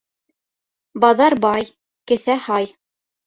Баҙар бай, кеҫә һай.